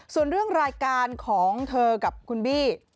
ส่วนเรื่องรายการของเธอกับคุณบี้